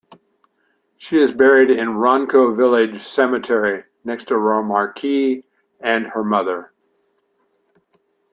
She is buried in Ronco Village Cemetery, next to Remarque and her mother.